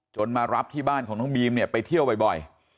มารับที่บ้านของน้องบีมเนี่ยไปเที่ยวบ่อย